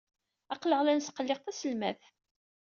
Aql-aɣ la nesqelliq taselmadt.